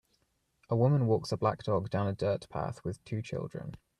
A woman walks a black dog down a dirt path with two children.